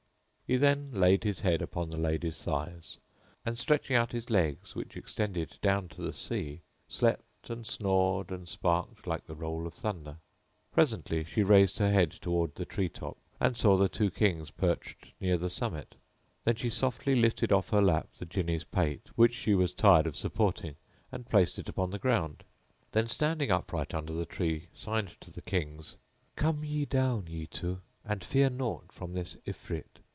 He then laid his head upon the lady's thighs; and, stretching out his legs which extended down to the sea, slept and snored and snarked like the roll of thunder. Presently she raised her head towards the tree top and saw the two Kings perched near the summit; then she softly lifted off her lap the Jinni's pate which she was tired of supporting and placed it upon the ground; then standing upright under the tree signed to the Kings, "Come ye down, ye two, and fear naught from this Ifrit."